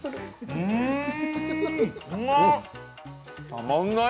たまんない